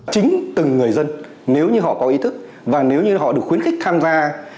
chính từng người dân nếu như họ có ý thức và nếu như họ được khuyến khích tham gia